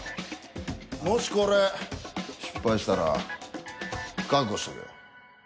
もしこれ失敗したら覚悟しとけよ